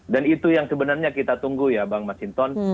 dan itu yang sebenarnya kita tunggu ya bang mas hinton